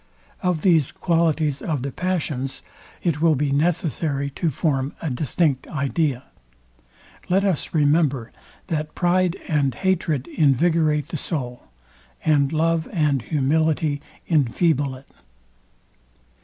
Of these qualities of the passions, it will be necessary to form a distinct idea. Let us remember, that pride and hatred invigorate the soul; and love and humility infeeble it.